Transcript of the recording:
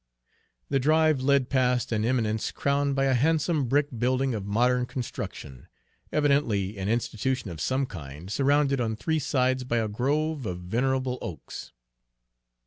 The drive led past an eminence crowned by a handsome brick building of modern construction, evidently an institution of some kind, surrounded on three sides by a grove of venerable oaks.